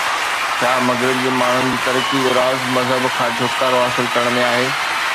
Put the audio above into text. ڇا مغرب جي ماڻهن جي ترقيءَ جو راز مذهب کان ڇوٽڪارو حاصل ڪرڻ ۾ آهي؟